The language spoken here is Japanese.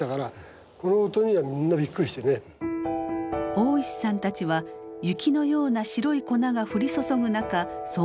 大石さんたちは雪のような白い粉が降り注ぐ中操業を続けます。